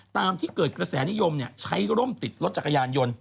ตามที่เกิดกระแสนิยมใช้ร่มติดรถจักรยานยนต์